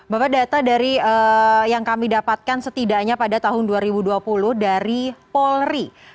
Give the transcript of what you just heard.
bapak data dari yang kami dapatkan setidaknya pada tahun dua ribu dua puluh dari polri